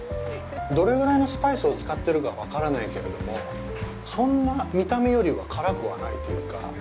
どれぐらいのスパイスを使ってるか分からないけれども、そんなに見た目よりは辛くはないというか。